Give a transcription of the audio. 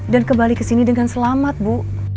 dan kembali ke sini dengan selamat bu